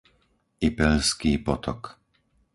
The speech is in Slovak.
Ipeľský Potok